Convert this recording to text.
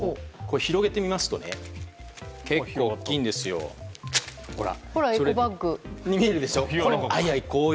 広げてみますと結構大きいんですよ。に、見えるでしょ。